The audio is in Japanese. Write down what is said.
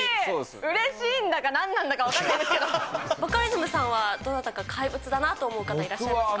うれしいんだかなんなんだかバカリズムさんは、どなたか怪物だなと思う方いらっしゃいますか？